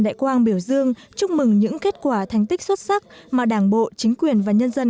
đại quang biểu dương chúc mừng những kết quả thành tích xuất sắc mà đảng bộ chính quyền và nhân dân